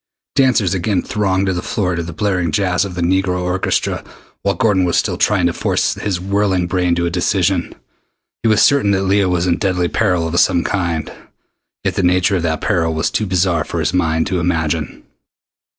Dancers again thronged the floor to the blaring jazz of the negro orchestra while Gordon was still trying to force his whirling brain to a decision. He was certain that Leah was in deadly peril of some kind, yet the nature of that peril was too bizarre for his mind to imagine.